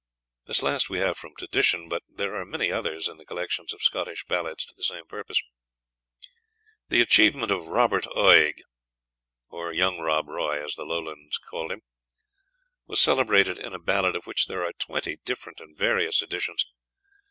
This last we have from tradition, but there are many others in the collections of Scottish Ballads to the same purpose. The achievement of Robert Oig, or young Rob Roy, as the Lowlanders called him, was celebrated in a ballad, of which there are twenty different and various editions.